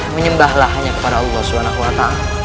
menyembahlah hanya kepada allah swt